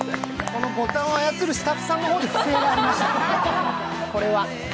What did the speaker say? このボタンを操るスタッフさんによる不正がありました。